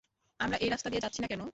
আমরা এই রাস্তা দিয়ে যাচ্ছি না কেন?